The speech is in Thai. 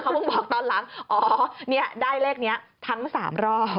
แล้วเขาบอกตอนหลังอ๋อได้เลขนี้ทั้ง๓รอบ